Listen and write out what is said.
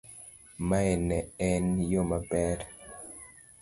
mae ne en yo maber